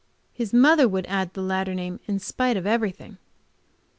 His mother would add the latter name in spite of everything.